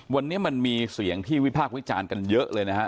วันนี้มันมีเสียงที่วิพากษ์วิจารณ์กันเยอะเลยนะฮะ